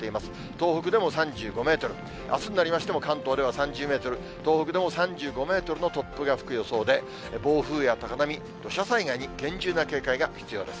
東北でも３５メートル、あすになりましても関東では３０メートル、東北でも３５メートルの突風が吹く予想で、暴風や高波、土砂災害に厳重な警戒が必要です。